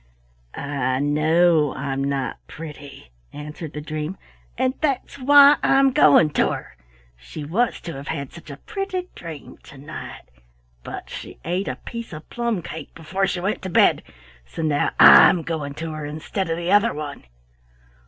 "I know I'm not pretty," answered the dream, "and that's why I'm going to her. She was to have had such a pretty dream to night, but she ate a piece of plum cake before she went to bed, so now I'm going to her instead of the other one."